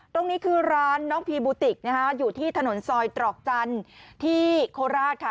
ตรงนี้คือร้านน้องพีบูติกนะคะอยู่ที่ถนนซอยตรอกจันทร์ที่โคราชค่ะ